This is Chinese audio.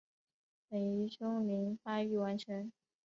本鱼胸鳍发育完全。